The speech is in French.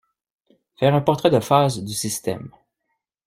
Faire un portrait de phase du système